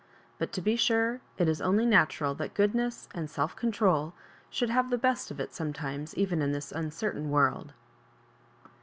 But, to be sure, it is only natural that goodness and self control should have the best of it sometimes even in this un certain world.